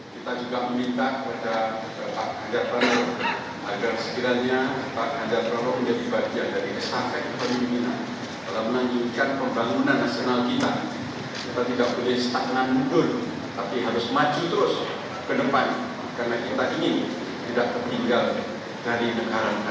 kita juga meminta kepada pak hadjad roro agar sekiranya pak hadjad roro menjadi bagian dari kesehatan pemimpinan